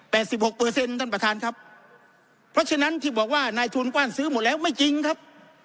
สิบหกเปอร์เซ็นต์ท่านประธานครับเพราะฉะนั้นที่บอกว่านายทุนกว้านซื้อหมดแล้วไม่จริงครับ